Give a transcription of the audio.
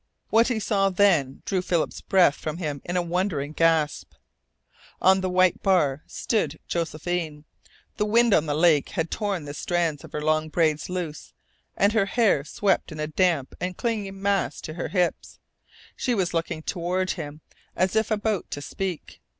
What he saw then drew Philip's breath from him in a wondering gasp. On the white bar stood Josephine. The wind on the lake had torn the strands of her long braid loose and her hair swept in a damp and clinging mass to her hips. She was looking toward him, as if about to speak.